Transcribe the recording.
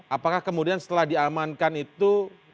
apakah kemudian setelah diamankan itu